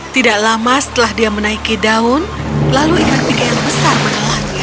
tidak lama setelah dia menaiki daun lalu ikan pika yang besar menelannya